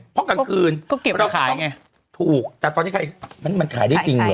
ก็เก็บไปขายไงถูกแต่ตอนนี้มันขายได้จริงหรอ